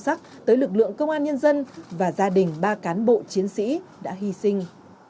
sắc tới lực lượng công an nhân dân và gia đình ba cán bộ chiến sĩ đã hy sinh